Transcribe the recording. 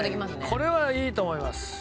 これはいいと思います。